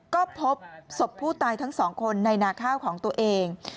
ก็พบศพผู้ตายทั้งสองคนในนาข้าวของตัวเอง